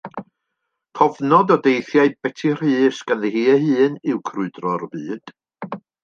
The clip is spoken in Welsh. Cofnod o deithiau Beti Rhys ganddi hi ei hun yw Crwydro'r Byd.